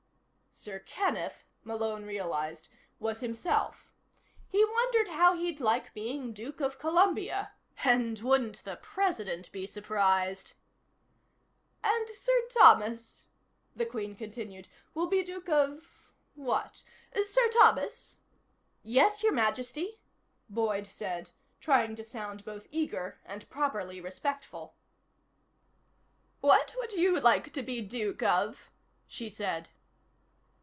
Sir Kenneth, Malone realized, was himself. He wondered how he'd like being Duke of Columbia and wouldn't the President be surprised! "And Sir Thomas," the Queen continued, "will be the Duke of what? Sir Thomas?" "Yes, Your Majesty?" Boyd said, trying to sound both eager and properly respectful. "What would you like to be Duke of?" she said.